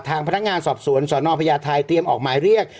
ทางพนักงานสอบสวนสนพญาไทยเตรียมออกหมายเรียก